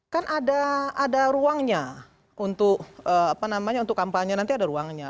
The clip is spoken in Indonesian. kan ada ruangnya untuk kampanye nanti ada ruangnya